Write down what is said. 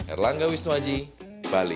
erlangga wisnuaji bali